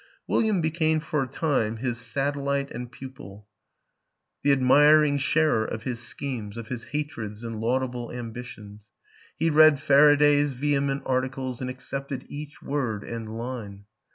William be came for a time his satellite and pupil, the admir 16 WILLIAM AN ENGLISHMAN ing sharer of his schemes, of his hatreds and laud able ambitions; he read Faraday's vehement articles and accepted each word and line.